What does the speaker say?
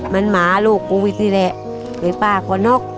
มันหมาลูกกูอีกทีแหละเหมือนป่ากว่านก